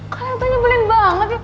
kalian tuh ngebulin banget ya